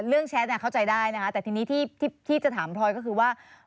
แชทเข้าใจได้นะคะแต่ทีนี้ที่จะถามพลอยก็คือว่า